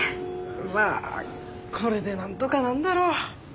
まあこれでなんとかなんだろ。